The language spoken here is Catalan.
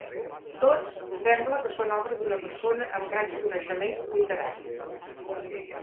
Tots sembla que són obra d'una persona amb grans coneixements literaris.